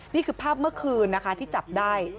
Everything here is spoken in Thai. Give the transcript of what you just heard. นี่คือภาพเมื่อคืนนะคะที่จับได้